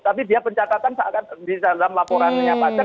tapi dia pencatatan seakan akan di dalam laporannya pacar